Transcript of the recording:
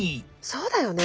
そうだよね。